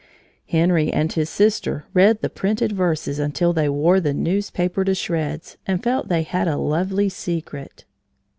Henry and his sister read the printed verses until they wore the newspaper to shreds and felt they had a lovely secret.